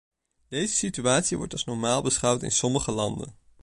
Deze situatie wordt als normaal beschouwd in sommige landen.